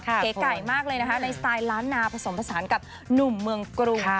เก๋ไก่มากเลยนะคะในสไตล์ล้านนาผสมผสานกับหนุ่มเมืองกรุง